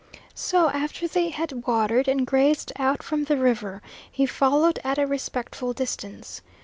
So after they had watered and grazed out from the river, he followed at a respectful distance.